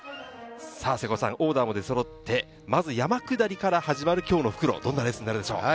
さぁ瀬古さん、オーダーも出そろって、まず山下りから始まる今日の復路、どんなレースになるでしょう？